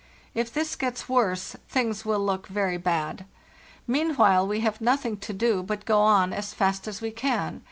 If this gets worse, things will look very bad. Meanwhile we have nothing to do but go on as fast as we can.